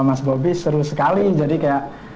mas bobi seru sekali jadi kayak